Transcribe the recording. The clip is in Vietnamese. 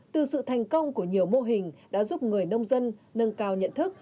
từ sự thành công của nhiều mô hình đã giúp người nông dân nâng cao nhận thức